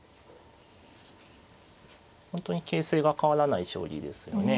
本当に形勢が変わらない将棋ですよね。